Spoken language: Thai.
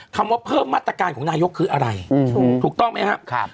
คำว่าเพิ่มมาตรการของนายกคืออะไรถูกต้องไหมครับ